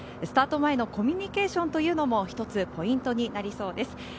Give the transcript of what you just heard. スタート前のコミュニケーションというのも一つポイントになりそうです。